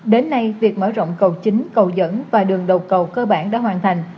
đến nay việc mở rộng cầu chính cầu dẫn và đường đầu cầu cơ bản đã hoàn thành